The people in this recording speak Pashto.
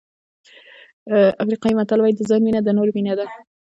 افریقایي متل وایي د ځان مینه د نورو مینه ده.